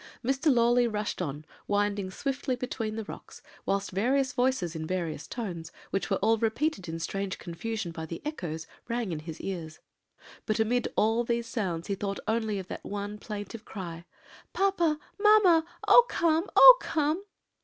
"Mr. Lawley rushed on, winding swiftly between the rocks, whilst various voices, in various tones, which were all repeated in strange confusion by the echoes, rang in his ears; but amid all these sounds he thought only of that one plaintive cry, 'Papa! mamma! Oh, come! Oh, come!'